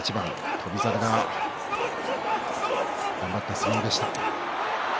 翔猿が頑張った一番でした。